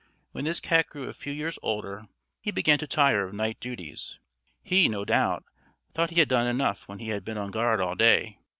When this cat grew a few years older, he began to tire of night duties. He, no doubt, thought he had done enough when he had been on guard all day.